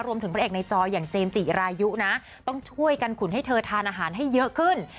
พระเอกในจออย่างเจมส์จิรายุนะต้องช่วยกันขุนให้เธอทานอาหารให้เยอะขึ้น